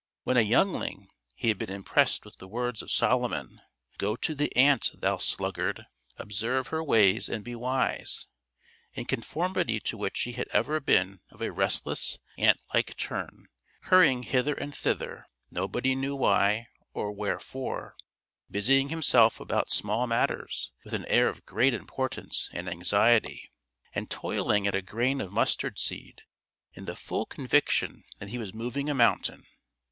When a youngling he had been impressed with the words of Solomon, "Go to the ant, thou sluggard, observe her ways and be wise," in conformity to which he had ever been of a restless, ant like turn; hurrying hither and thither, nobody knew why or wherefore, busying himself about small matters with an air of great importance and anxiety, and toiling at a grain of mustard seed in the full conviction that he was moving a mountain.